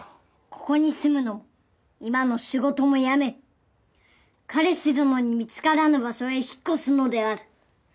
ここに住むのも今の仕事も辞め彼氏どのに見つからぬ場所へ引っ越すのである。